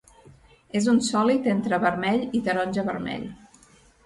És un sòlid entre vermell i taronja-vermell.